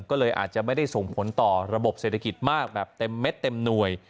ก็เลยอาจจะไม่ได้ส่งผลต่อระบบเศรษฐกิจมากแบบเต็มเม็ดเต็มหน่วย